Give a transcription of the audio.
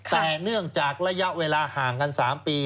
แต่เนื่องจากระยะเวลาห่างกัน๓ปี